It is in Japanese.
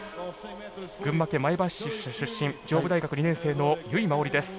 群馬県前橋市出身上武大学２年生の由井真緒里です。